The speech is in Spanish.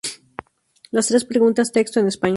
Las tres preguntas texto en español